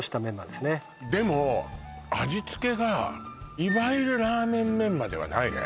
でも味付けがいわゆるラーメンメンマではないね